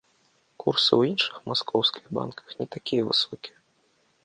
Курсы ў іншых маскоўскіх банках не такія высокія.